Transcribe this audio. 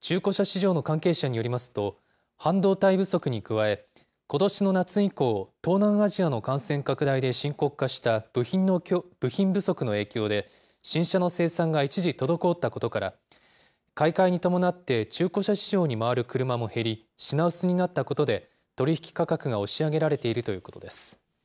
中古車市場の関係者によりますと、半導体不足に加え、ことしの夏以降、東南アジアの感染拡大で深刻化した部品不足の影響で、新車の生産が一時、滞ったことから、買い替えに伴って中古車市場に回る車も減り、品薄になったことで、取り引き価格が押し上げられているということです。